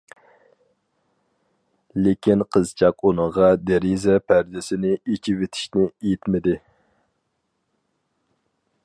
لېكىن قىزچاق ئۇنىڭغا دېرىزە پەردىسىنى ئېچىۋېتىشنى ئېيتمىدى.